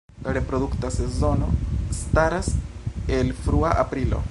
La reprodukta sezono startas el frua aprilo.